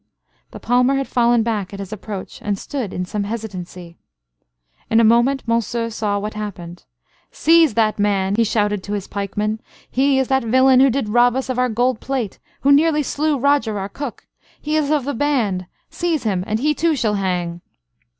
The palmer had fallen back at his approach; and stood in some hesitancy. In a moment Monceux saw what happened. "Seize that man!" he shouted to his pikemen. "He is that villain who did rob us of our gold plate, who nearly slew Roger, our cook. He is of the band seize him; and he too shall hang!"